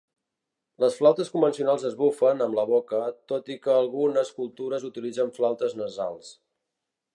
Les flautes convencionals es bufen amb la boca, tot i que algunes cultures utilitzen flautes nasals.